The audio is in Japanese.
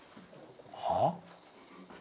はあ？